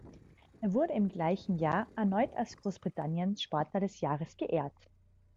Er wurde im gleichen Jahr erneut als Großbritanniens Sportler des Jahres geehrt.